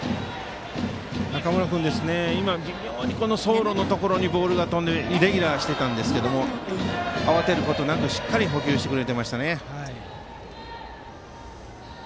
中村君、微妙に走路のところにボールが飛んでイレギュラーしていたんですけど慌てることなくしっかり捕球してくれましたね。